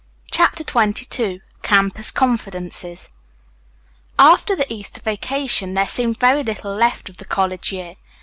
CHAPTER XXII CAMPUS CONFIDENCES After the Easter vacation there seemed very little left of the college year.